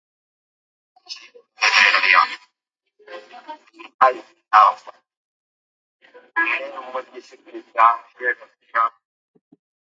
The iconic, fictional brand packaging resembles the original packaging of the Marlboro cigarette brand.